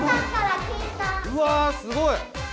うわすごい！